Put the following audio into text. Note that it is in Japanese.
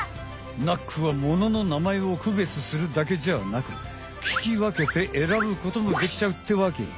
ナックは物の名前をくべつするだけじゃなく聞きわけて選ぶこともできちゃうってわけ。